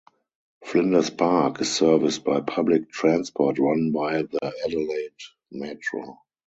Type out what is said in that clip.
Flinders Park is serviced by public transport run by the Adelaide Metro.